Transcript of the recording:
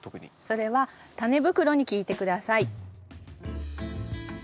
それはタネ袋に聞いて下さい。